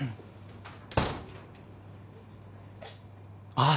ああ。